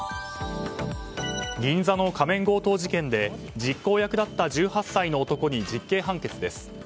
銀座の仮面強盗事件で実行役だった１８歳の男に実刑判決です。